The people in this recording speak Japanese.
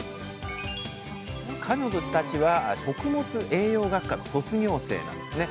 彼女たちは食物栄養学科の卒業生なんですね。